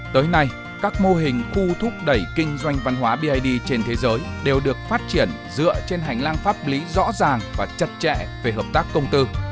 tới nay các mô hình khu thúc đẩy kinh doanh văn hóa bid trên thế giới đều được phát triển dựa trên hành lang pháp lý rõ ràng và chặt chẽ về hợp tác công tư